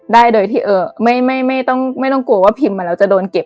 ได้โดยที่ไม่ต้องกลัวว่าพิมพ์มาแล้วจะโดนเก็บ